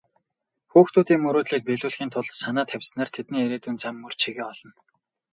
Хүүхдүүдийн мөрөөдлийг биелүүлэхийн тулд санаа тавьснаар тэдний ирээдүйн зам мөр чигээ олно.